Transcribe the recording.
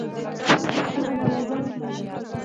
چيغه يې کړه! دروازه وتړئ!